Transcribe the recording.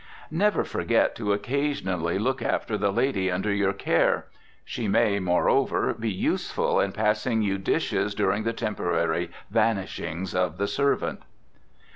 Never forget to occasionally look after the lady under your care. She may, moreover, be useful in passing you dishes during the temporary vanishings of the servant.